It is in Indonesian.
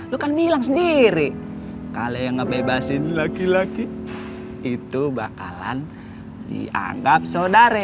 lu kan bilang sendiri kalau yang ngebebasin laki laki itu bakalan dianggap saudari